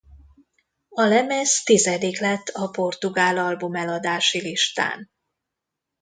A lemez tizedik lett a portugál albumeladási listán.